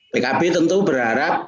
pkb tentu berharap